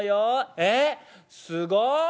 「え？すごい」。